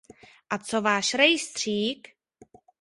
A co váš rejstřík?